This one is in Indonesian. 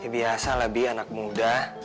biasalah bi anak muda